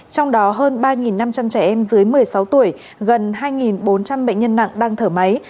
trong đó hơn ba năm trăm linh trẻ em dưới một mươi sáu tuổi gần hai bốn trăm linh bệnh nhân nặng đang thở máy